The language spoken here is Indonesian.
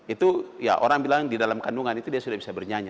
itu ya orang bilang di dalam kandungan itu dia sudah bisa bernyanyi